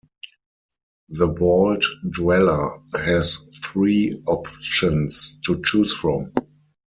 The Vault Dweller has three options to choose from.